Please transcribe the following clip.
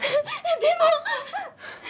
でも！